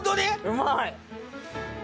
うまい！